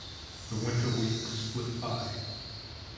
The winter weeks slipped by.